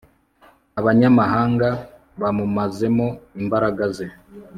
abanyamahanga bamumazemo imbaraga ze